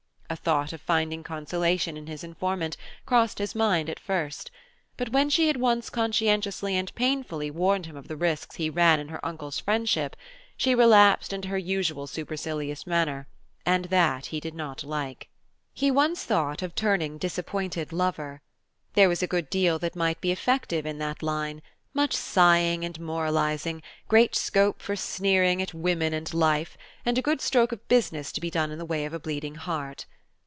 A thought of finding consolation in his informant crossed his mind at first; but when she had once conscientiously and painfully warned him of the risks he ran in her Uncle's friendship she relapsed into her usual supercilious manner, and that he did not like. He once thought of turning disappointed lover. There was a good deal that might be effective in that line: much sighing and moralising, great scope for sneering at women and life, and a good stroke of business to be done in the way of a bleeding heart.